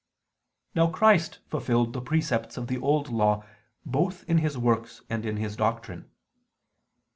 Now Christ fulfilled the precepts of the Old Law both in His works and in His doctrine.